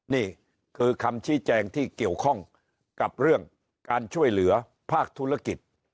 นี่คือคำชี้แจงที่เกี่ยวข้องกับเรื่องการช่วยเหลือภาคธุรกิจ